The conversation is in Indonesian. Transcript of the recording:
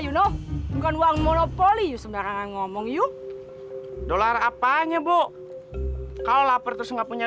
yuk bukan uang monopoli yuk sebenarnya ngomong yuk dolar apaan bu kalau lapar terus nggak punya